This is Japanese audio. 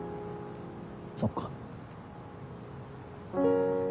そっか。